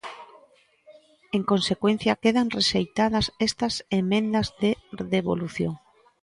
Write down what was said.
En consecuencia, quedan rexeitadas estas emendas de devolución.